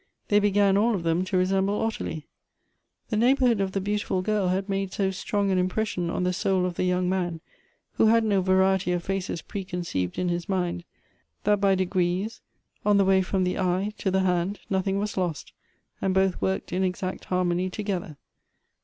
They began all of them to resemble Ottilie. The neighborhood of the beautiful girl had made so strong an impression on the soul of the young man, who had no variety of faces preconceived in his mind, that by degrees, on the way from the eye to the hand, nothing was lost, and both worked in exact harmony together.